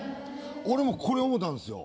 俺もこれ思たんですよ。